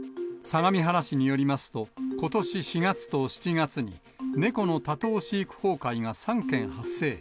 相模原市によりますと、ことし４月と７月に、猫の多頭飼育崩壊が３件発生。